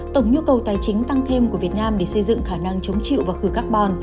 tổng nhu cầu tài chính tăng thêm của việt nam để xây dựng khả năng chống chịu và khử carbon